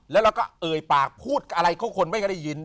แล้วเราก็เอ่ยปากพูดอะไรเขาคนไม่ค่อยได้ยิน